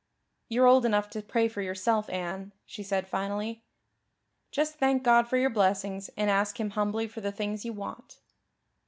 "You're old enough to pray for yourself, Anne," she said finally. "Just thank God for your blessings and ask Him humbly for the things you want."